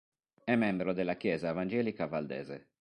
È membro della Chiesa Evangelica Valdese.